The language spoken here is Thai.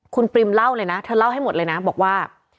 คุณปริมเล่าเลยนะเธอเล่าให้หมดเลยนะบอกว่า